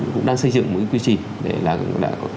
cũng đang xây dựng một cái quy trình